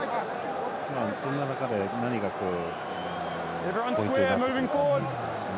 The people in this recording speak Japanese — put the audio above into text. そんな中で、何がポイントになってくるかということですね。